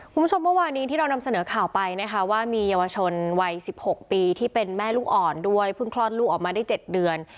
เมื่อวานี้ที่เรานำเสนอข่าวไปนะคะว่ามีเยาวชนวัย๑๖ปีที่เป็นแม่ลูกอ่อนด้วยเพิ่งคลอดลูกออกมาได้๗เดือน